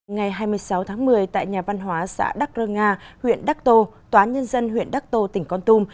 ngày hai mươi sáu tháng một mươi tại nhà văn hóa xã đắc rơ nga huyện đắc tô tòa nhân dân huyện đắc tô tỉnh con tum